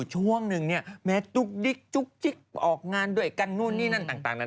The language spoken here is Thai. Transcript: ช่วงหนึ่งเนี่ยแม้จุ๊กดิ๊กจุ๊กจิ๊กออกงานด้วยกันนู่นนี่นั่นต่างนั้น